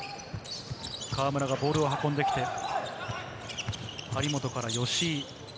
河村がボールを運んできて、張本から吉井。